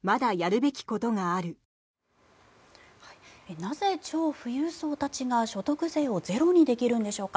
なぜ、超富裕層たちが所得税をゼロにできるんでしょうか。